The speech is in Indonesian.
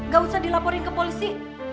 gak usah dilaporin ke polisi